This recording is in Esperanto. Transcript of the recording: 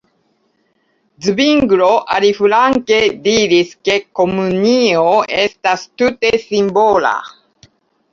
Zvinglo, aliflanke, diris, ke komunio estas tute simbola.